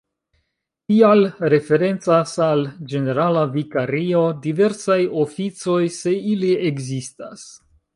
Tial referencas al ĝenerala vikario diversaj oficoj, se ili ekzistas.